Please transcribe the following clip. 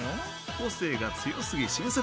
個性が強すぎ晋作。